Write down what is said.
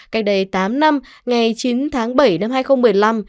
cách đây tám năm ngày chín tháng bảy năm hai nghìn một mươi năm